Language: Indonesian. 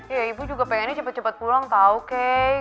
ya ibu juga pengennya cepat cepat pulang tau kay